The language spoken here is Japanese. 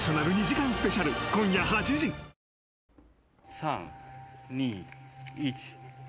３、２、１。